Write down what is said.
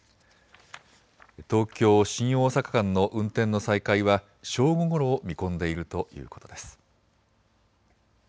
東京・新大阪間の運転の再開は正午ごろを見込んでいるということです。